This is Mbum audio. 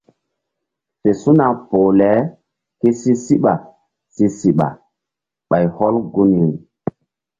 WF su̧na poh le ké si síɓa si siɓa ɓay hɔl gunri.